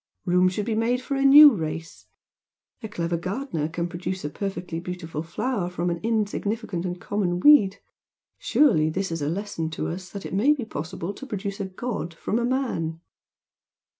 Room should be made for a new race! A clever gardener can produce a perfectly beautiful flower from an insignificant and common weed, surely this is a lesson to us that it may be possible to produce a god from a man!"